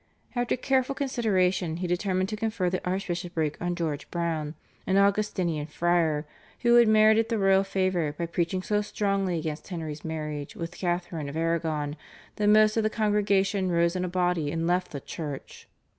After careful consideration he determined to confer the archbishopric on George Browne, an Augustinian friar, who had merited the royal favour by preaching so strongly against Henry's marriage with Catharine of Aragon that most of the congregation rose in a body and left the church.